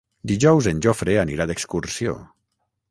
Dijous en Jofre anirà d'excursió.